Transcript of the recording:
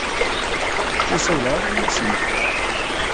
Ur ssawleɣ ara yid-sent.